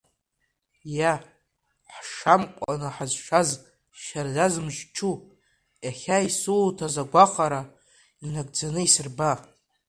Иа, ҳшамкәаны ҳазшаз, шьарда зымчу, иахьа исуҭаз агәахәара инагӡаны исырба!